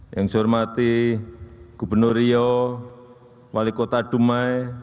yang saya hormati gubernur riau wali kota dumai